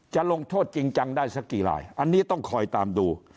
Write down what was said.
จะลงโทษจริงจังได้สักกี่ลายอันนี้ต้องคอยตามดู